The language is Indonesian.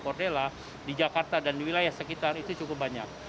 kordela di jakarta dan di wilayah sekitar itu cukup banyak